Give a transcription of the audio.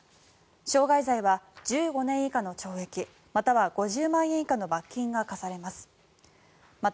傷害罪は１５年以下の懲役または５０万円以下の罰金が科されます。